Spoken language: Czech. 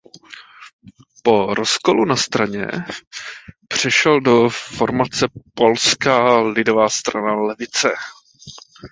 Po rozkolu ve straně přešel do formace Polská lidová strana levice.